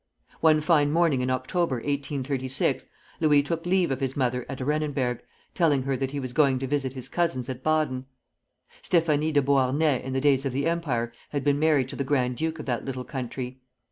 One fine morning in October, 1836, Louis took leave of his mother at Arenenberg, telling her that he was going to visit his cousins at Baden. Stéphanie de Beauharnais in the days of the Empire had been married to the Grand Duke of that little country.